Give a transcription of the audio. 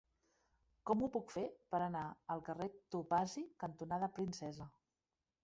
Com ho puc fer per anar al carrer Topazi cantonada Princesa?